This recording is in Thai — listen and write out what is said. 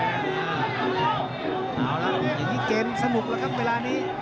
เอาล่ะอย่างนี้เกมสนุกแล้วครับเวลานี้